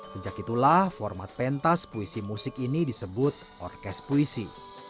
sejak itulah format pentas puisi musik ini disebut orkes puisi